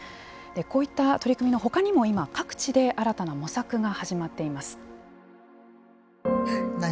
こういった取り組みの他にも今、各地で新たな模索が始まっています。